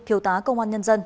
thiếu tá công an nhân dân